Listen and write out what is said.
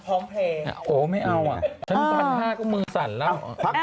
โอ้โหมีมือสั่นแล้ว